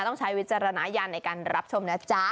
ต้องใช้วิจารณายานในการรับชมนะจ๊ะ